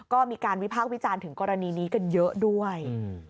ก็มีการวิพากษ์วิจารณ์ถึงกรณีนี้กันเยอะด้วย